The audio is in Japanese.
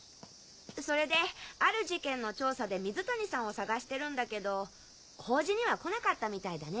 それである事件の調査で水谷さんを捜してるんだけど法事には来なかったみたいだね。